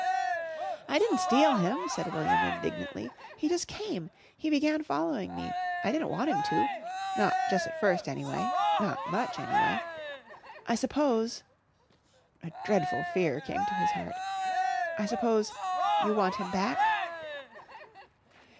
"I didn't steal him," said William indignantly. "He just came. He began following me. I didn't want him to not jus' at first anyway, not much anyway. I suppose," a dreadful fear came to his heart, "I suppose you want him back?"